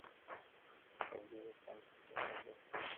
• پردي وطن ته په کډه تللي -